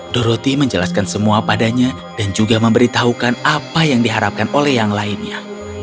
dorothy menjelaskan semua padanya dan juga memberitahukan apa yang diharapkan oleh yang lainnya